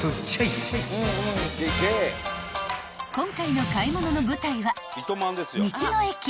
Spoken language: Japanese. ［今回の買い物の舞台は］